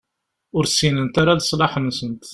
Ur ssinent ara leṣlaḥ-nsent.